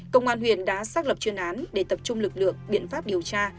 công an huyện đã xác lập chuyên án để tập trung lực lượng biện pháp điều tra